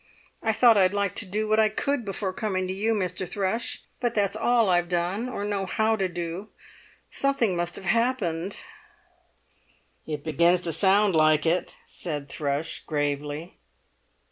I thought I'd like to do what I could before coming to you, Mr. Thrush, but that's all I've done or know how to do. Something must have happened!" "It begins to sound like it," said Thrush gravely.